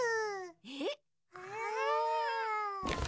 えっ！？